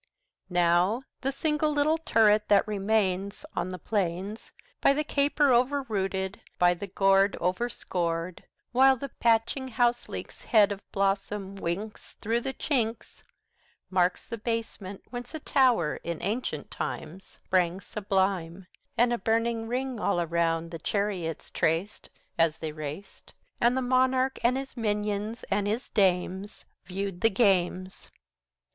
Now the single little turret that remains On the plains, By the caper overrooted, by the gourd Overscored, 40 While the patching houseleek's head of blossom winks Through the chinks Marks the basement whence a tower in ancient time Sprang sublime, And a burning ring, all around, the chariots traced 45 As they raced, And the monarch and his minions and his dames Viewed the games.